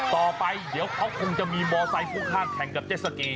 ต่อไปเดี๋ยวเขาจะมีบอสไทยข้างแข่งกับเจ๊สกี